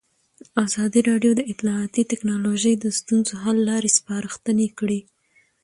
ازادي راډیو د اطلاعاتی تکنالوژي د ستونزو حل لارې سپارښتنې کړي.